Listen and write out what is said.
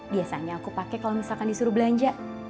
biasanya aku pakai kalau misalkan disuruh belanja